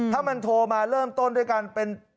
ถ้ามันโทรมาเริ่มต้นด้วยการเป็น